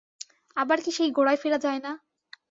আবার কি সেই গোড়ায় ফেরা যায় না?